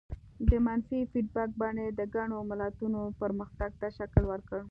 د منفي فیډبک بڼې د ګڼو ملتونو پرمختګ ته شکل ورکړ.